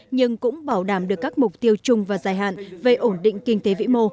nhưng cũng bảo đảm được các mục tiêu chung và dài hạn về ổn định kinh tế vĩ mô